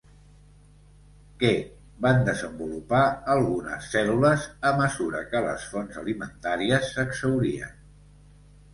Què van desenvolupar algunes cèl·lules a mesura que les fonts alimentàries s'exhaurien?